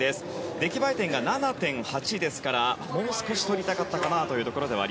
出来栄え点が７．８ですからもう少し取りたかったかなというところ。